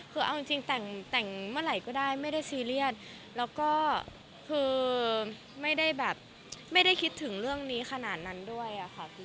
คือเอาจริงแต่งเมื่อไหร่ก็ได้ไม่ได้ซีเรียสแล้วก็คือไม่ได้แบบไม่ได้คิดถึงเรื่องนี้ขนาดนั้นด้วยค่ะพี่